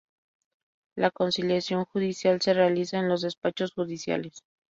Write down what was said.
La Conciliación Judicial se realiza en los despachos judiciales.